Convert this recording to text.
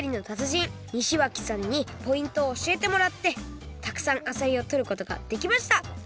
じん西脇さんにポイントをおしえてもらってたくさんあさりをとることができました！